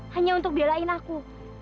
hanya untuk belain aku